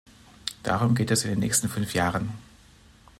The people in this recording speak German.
Darum geht es in den nächsten fünf Jahren.